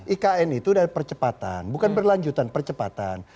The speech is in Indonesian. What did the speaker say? ikn itu dari percepatan bukan berlanjutan percepatan